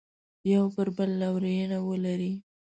یو پر بل لورینه ولري.